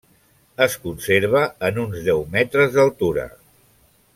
Es conserva en uns deu metres d'altura.